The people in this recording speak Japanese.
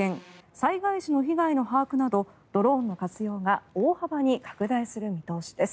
災害時の被害の把握などドローンの活用が大幅に拡大する見通しです。